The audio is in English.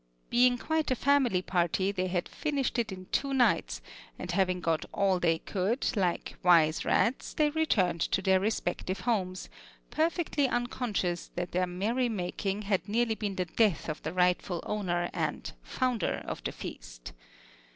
Being quite a family party, they had finished it in two nights; and having got all they could, like wise rats they returned to their respective homes, perfectly unconscious that their merry making had nearly been the death of the rightful owner and "founder of the feast."